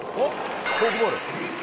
フォークボール。